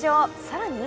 更に